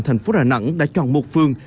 tp đà nẵng đã chọn một phương